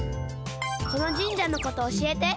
この神社のことおしえて。